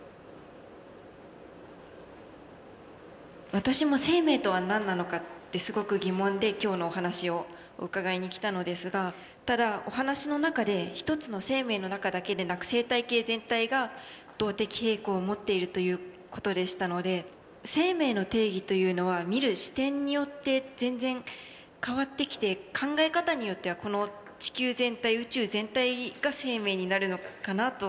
私も生命とは何なのかってすごく疑問で今日のお話を伺いに来たのですがただお話の中で「一つの生命の中だけでなく生態系全体が動的平衡を持っている」という事でしたので生命の定義というのは見る視点によって全然変わってきて考え方によってはこの地球全体宇宙全体が生命になるのかなと。